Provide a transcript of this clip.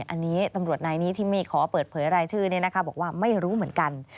อันนี้ตำรวจนายนี้ที่ไม่ขอเปิดเผยรายชื่อบอกว่าไม่รู้เหมือนกัน